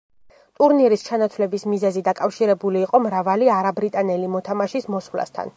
ტურნირის ჩანაცვლების მიზეზი დაკავშირებული იყო მრავალი არაბრიტანელი მოთამაშის მოსვლასთან.